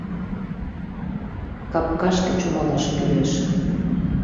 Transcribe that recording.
Капкашке чумалаш кӱлеш.